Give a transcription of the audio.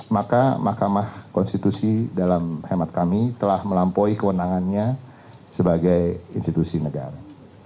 maka mahkamah konstitusi dalam hemat kami telah melampaui kewenangannya sebagai institusi negara